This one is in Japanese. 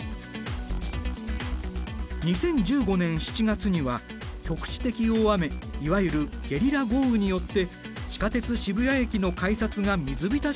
２０１５年７月には局地的大雨いわゆるゲリラ豪雨によって地下鉄渋谷駅の改札が水浸しになった。